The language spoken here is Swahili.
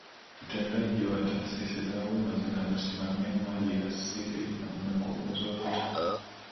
Utendaji wa taasisi za umma zinazosimamia maliasili umekuwa ukizorota